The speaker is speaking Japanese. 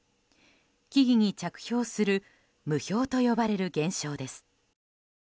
木々に着氷する霧氷と呼ばれる現象です。